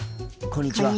こんにちは。